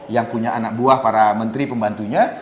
yang punya anak buah para menteri pembantunya